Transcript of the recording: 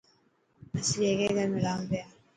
اسين هڪي گھر ۾ رهنا پيا.